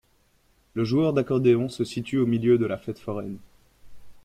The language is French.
Le joueur d'accordéon se situe au milieu de la fête foraine.